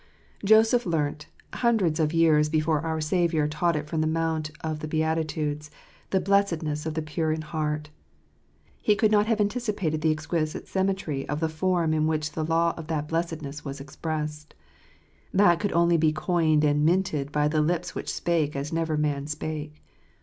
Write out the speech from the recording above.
OSEPH learnt, hundreds of years before our Saviour taught it from the Mount of the Beati tudes, the blessedness of the pure in heart. He could not have anticipated the exquisite symmetry of the form in which the law of that blessedness was expressed. That could only be coined and minted by the lips which spake as never man spake.